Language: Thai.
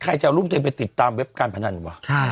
ใครจะเอารูปเธอไปติดตามเว็บการพนันหรือเปล่า